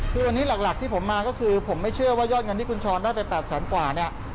คือวันนี้หลักที่ผมมาก็คือผมไม่เชื่อว่ายอดเงินที่คุณช้อนได้ไป๘แสนกว่าเนี่ย